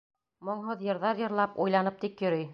Моңһоҙ йырҙар йырлап, уйланып тик йөрөй.